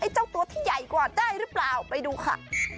เจ้าตัวที่ใหญ่กว่าได้หรือเปล่าไปดูค่ะ